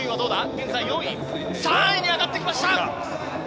現在４位、３位に上がってきました！